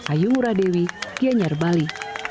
ayu muradewi kianyar bali